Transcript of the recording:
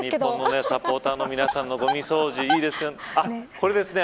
日本のサポーターのごみ掃除いいですよね。